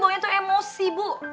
buangnya tuh emosi ibu